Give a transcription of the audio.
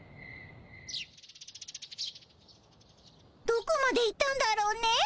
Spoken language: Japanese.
どこまで行ったんだろうねえ。